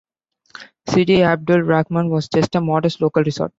Sidi Abdel Rahman was just a "modest local resort".